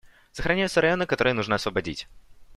Сохраняются районы, которые нужно освободить.